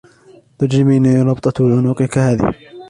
تُعجبني ربطةُ عنقكَ هذهِ.